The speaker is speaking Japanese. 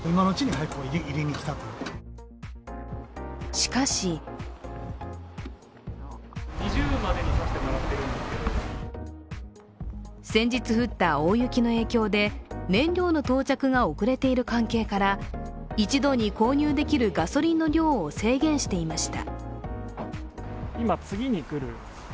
しかし先日降った大雪の影響で燃料の到着が遅れている関係から一度に購入できるガソリンの量を制限していました。